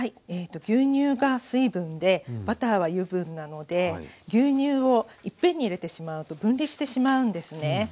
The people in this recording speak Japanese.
牛乳が水分でバターは油分なので牛乳をいっぺんに入れてしまうと分離してしまうんですね。